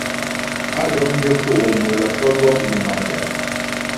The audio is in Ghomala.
Á dɔpnyə po' mo lə́ pə́ gɔ piŋ ma' dap.